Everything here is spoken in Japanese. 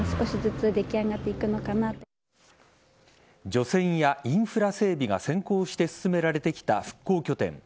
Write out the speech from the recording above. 除染やインフラ整備が先行して進められてきた復興拠点。